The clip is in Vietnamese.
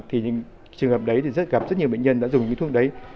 thì trường hợp đấy thì gặp rất nhiều bệnh nhân đã dùng những thuốc đấy